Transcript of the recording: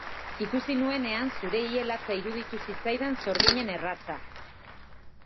Ikusi nuenean zure Ile latza iruditu zitzaidan sorginen erratza.